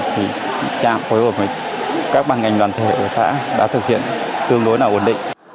thì trạm phối hợp với các ban ngành đoàn thể của xã đã thực hiện tương đối là ổn định